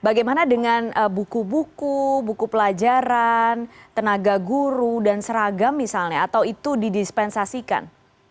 bagaimana dengan buku buku buku pelajaran tenaga guru dan seragam misalnya atau itu didispensasikan